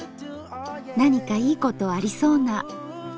何かいいことありそうな。